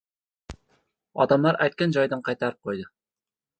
Odamlar aytgan joyidan qaytarib qo‘ydi.